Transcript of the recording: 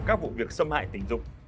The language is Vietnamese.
các vụ việc xâm hại tình dục